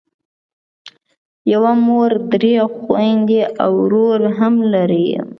یوه مور درې خویندې او ورور هم لرم.